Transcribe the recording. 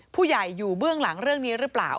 ผู้ใหญ่อยู่เบื้องหลังเรื่องนี้หรือเปล่า